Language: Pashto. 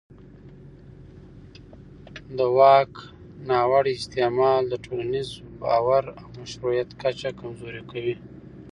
د واک ناوړه استعمال د ټولنیز باور او مشروعیت کچه کمزوري کوي